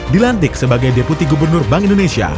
dilantik sebagai deputi gubernur bank indonesia